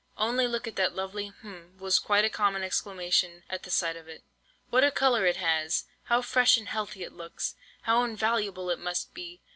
'Only look at that lovely—hm—' was quite a common exclamation at the sight of it. 'What a colour it has! How fresh and healthy it looks! How invaluable it must be!